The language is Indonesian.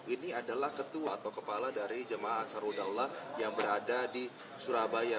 ini adalah ketua atau kepala dari jemaah asal udaulat yang berada di surabaya